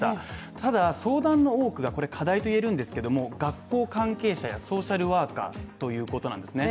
ただ相談の多くが、課題と言えるんですが学校関係者やソーシャルワーカーということなんですね。